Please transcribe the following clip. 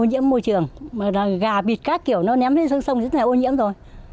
ô nhiễm môi trường gà bịt các kiểu nó ném lên sông sông rất là ô nhiễm rồi